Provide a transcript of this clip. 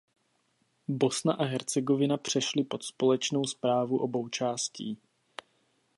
Bosna a Hercegovina přešly pod společnou správu obou částí.